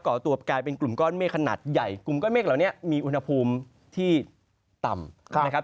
่อตัวกลายเป็นกลุ่มก้อนเมฆขนาดใหญ่กลุ่มก้อนเมฆเหล่านี้มีอุณหภูมิที่ต่ำนะครับ